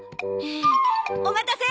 お待たせ！